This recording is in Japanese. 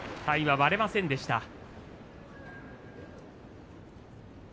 体は割れませんでした。